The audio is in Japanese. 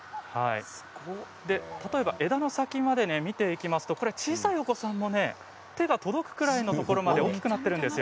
例えば枝の先まで見ていきますと小さいお子さんも手が届くぐらいのところまで大きくなっているんですよ。